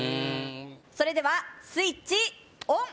それではスイッチオン！